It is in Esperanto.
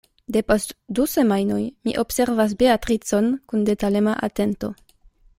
Depost du semajnoj mi observas Beatricon kun detalema atento.